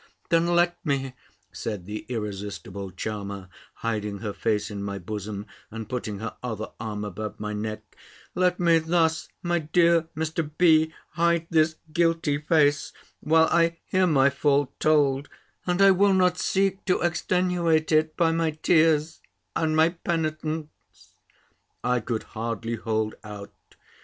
"Then let me," said the irresistible charmer, hiding her face in my bosom, and putting her other arm about my neck, "let me thus, my dear Mr. B., hide this guilty face, while I hear my fault told; and I will not seek to extenuate it, by my tears, and my penitence." I could hardly hold out.